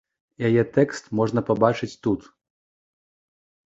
Яе тэкст можна пабачыць тут.